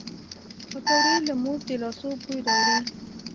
پکورې له مور د لاسو بوی راوړي